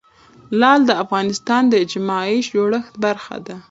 لعل د افغانستان د اجتماعي جوړښت برخه ده.